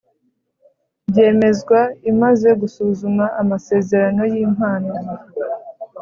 Byemezwa imaze gusuzuma amasezerano y’ impano